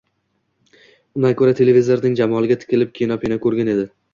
Undan ko‘ra televizorning jamoliga tikilib, kino-pino ko‘rgin edi